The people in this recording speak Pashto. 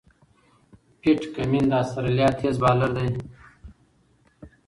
پیټ کمېن د استرالیا تېز بالر دئ.